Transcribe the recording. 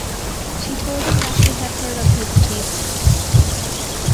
She told him that she had heard of his achievements.